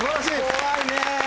怖いね。